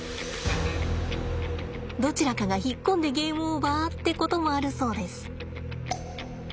どちらかが引っ込んでゲームオーバーってこともあるそうです。